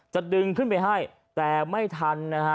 จะดึงขึ้นไปให้แต่ไม่ทันนะฮะ